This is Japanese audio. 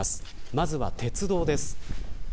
まずは鉄道です。